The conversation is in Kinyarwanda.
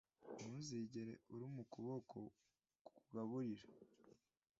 Ntuzigere uruma ukuboko kukugaburira.